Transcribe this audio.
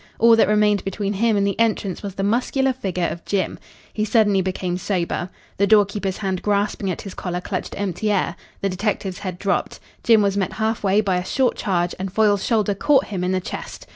All that remained between him and the entrance was the muscular figure of Jim. He suddenly became sober. The door keeper's hand grasping at his collar clutched empty air. The detective's head dropped. Jim was met half way by a short charge and Foyle's shoulder caught him in the chest.